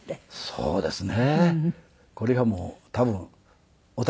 そうですね。